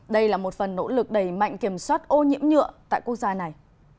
đây là một phần nỗ lực đẩy mạnh kiểm soát ô nhiễm nhựa tại quốc gia này